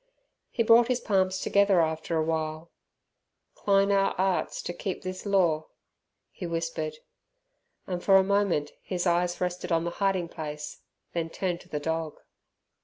He brought his palms together after a while. "'Cline our 'earts ter keep this lawr," he whispered, and for a moment his eyes rested on the hiding place, then turned to the dog.